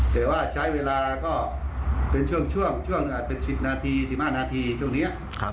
แต่ว่าใช้เวลาก็เป็นช่วงช่วงเป็น๑๐นาที๑๕นาทีช่วงนี้